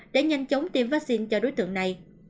để nhanh chống tiêm vaccine cho đối tượng này